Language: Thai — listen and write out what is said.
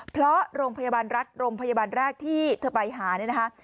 เพราะโรงพยาบาลรัฐโรงพยาบาลแรกที่เธอไปหาเนี่ยนะคะ